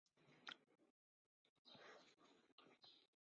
耶律铎轸在官任上去世。